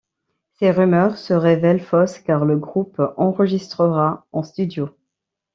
Ces rumeurs se révèlent fausses car le groupe enregistrera en studio.